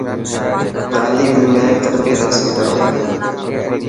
تعليم ۾ تربيت حاصل ڪرو.